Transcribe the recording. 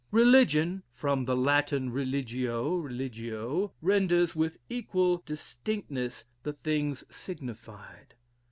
Religion, from the Latin religio, religio, renders with equal distinctness the things signified.